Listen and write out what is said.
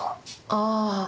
ああ。